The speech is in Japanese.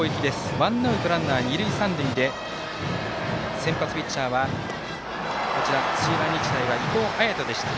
ワンアウト、ランナー二塁三塁で先発ピッチャーは土浦日大は伊藤彩斗でした。